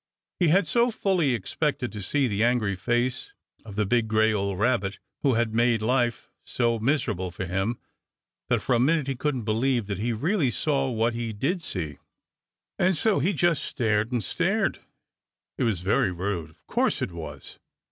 He had so fully expected to see the angry face of the big, gray, old Rabbit who had made life so miserable for him that for a minute he couldn't believe that he really saw what he did see. And so he just stared and stared. It was very rude. Of course it was.